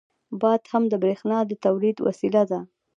• باد هم د برېښنا د تولید وسیله ده.